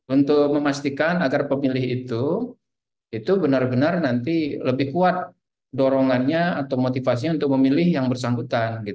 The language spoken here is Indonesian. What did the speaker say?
untuk memastikan agar pemilih itu itu benar benar nanti lebih kuat dorongannya atau motivasinya untuk memilih yang bersangkutan